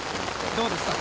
どうですか？